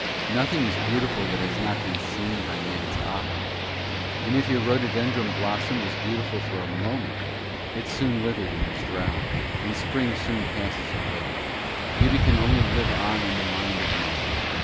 Nothing is beautiful that has not been seen by Man's eye. Or if your rhododendron blossom was beautiful for a moment, it soon withered and was drowned, and spring soon passes away; beauty can only live on in the mind of Man.